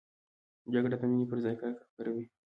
جګړه د مینې پر ځای کرکه خپروي